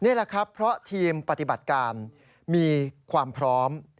นี่แหละครับเพราะทีมปฏิบัติการมีความพร้อม